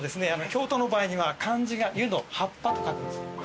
京都の場合には漢字が「湯の葉っぱ」と書くんです。